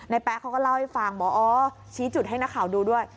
แป๊ะเขาก็เล่าให้ฟังบอกอ๋อชี้จุดให้นักข่าวดูด้วย